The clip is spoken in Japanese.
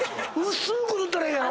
⁉薄ーく塗ったらええんやろ？